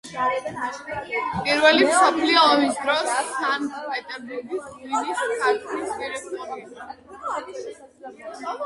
პირველი მსოფლიო ომის დროს სანქტ-პეტერბურგის ღვინის ქარხნის დირექტორია.